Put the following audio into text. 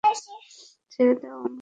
ছেড়ে দাও আমায়।